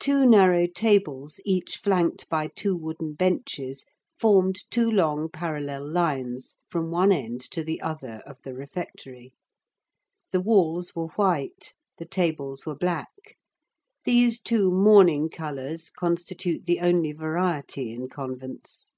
Two narrow tables, each flanked by two wooden benches, formed two long parallel lines from one end to the other of the refectory. The walls were white, the tables were black; these two mourning colors constitute the only variety in convents.